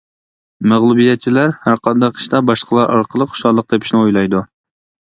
مەغلۇبىيەتچىلەر ھەرقانداق ئىشتا باشقىلار ئارقىلىق خۇشاللىق تېپىشنى ئويلايدۇ.